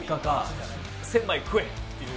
「１０００枚食え！」っていう。